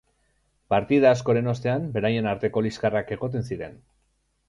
Partida askoren ostean beraien arteko liskarrak egoten ziren.